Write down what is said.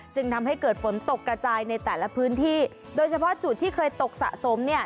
จึงทำให้เกิดฝนตกกระจายในแต่ละพื้นที่โดยเฉพาะจุดที่เคยตกสะสมเนี่ย